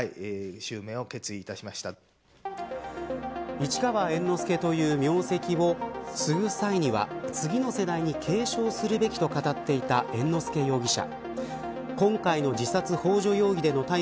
市川猿之助という名跡を継ぐ際には次の世代に継承するべきと語っていた猿之助容疑者。